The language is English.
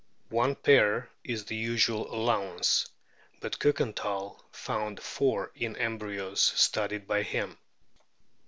One pair is the usual allowance, but Kiikenthal found four in embryos studied by him.